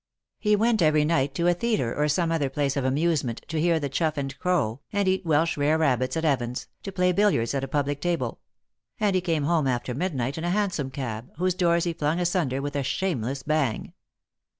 He went every night to a theatre or some other place of amusement, to hear the " Chough and Crow " and eat welsh rarebits at Evans's, to play billards at a public table ; and he came home after midnight in a hansom cab, whose doors he flung asunder with a shameless bang.